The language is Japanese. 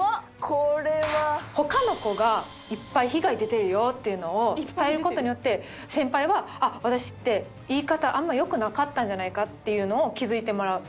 「これは」他の子がいっぱい被害出てるよっていうのを伝える事によって先輩は私って言い方あんまよくなかったんじゃないかっていうのを気づいてもらう。